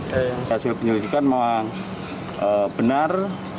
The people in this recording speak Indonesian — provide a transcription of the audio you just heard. hasil penyelidikan memang benar